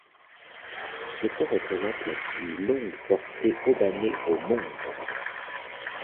Ce pont représente la plus longue portée haubanée au monde.